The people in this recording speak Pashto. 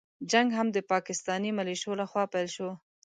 جنګ هم د پاکستاني مليشو له خوا پيل شو.